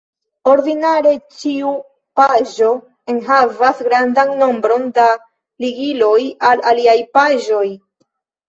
Ordinare, ĉiu paĝo enhavas grandan nombron da ligiloj al aliaj paĝoj.